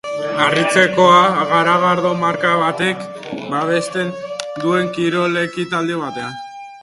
Harritzekoa garagardo marka batek babesten duen kirol-ekitaldi batean.